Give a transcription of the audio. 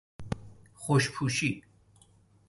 خوشپوشی